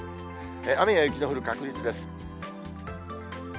雨や雪の降る確率です。